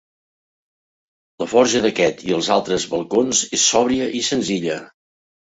La forja d'aquest i els altres balcons és sòbria i senzilla.